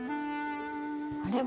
あれは。